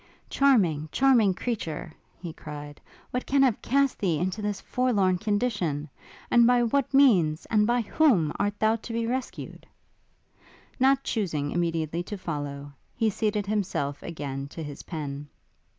Charming, charming creature! he cried, what can have cast thee into this forlorn condition? And by what means and by whom art thou to be rescued? Not chusing immediately to follow, he seated himself again to his pen.